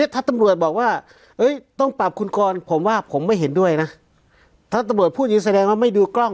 ถ้าตำรวจบอกว่าต้องปรับคุณกรผมว่าผมไม่เห็นด้วยนะถ้าตำรวจพูดอย่างนี้แสดงว่าไม่ดูกล้อง